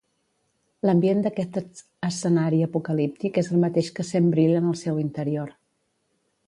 L'ambient d'aquest escenari apocalíptic és el mateix que sent Brill en el seu interior.